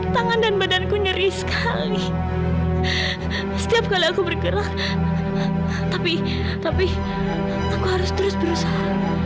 tangan dan badanku nyeri sekali setiap kali aku bergerak tapi tapi aku harus terus berusaha